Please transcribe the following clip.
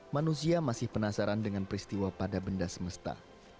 manusia masih penasaran dengan peristiwa pada benda semesta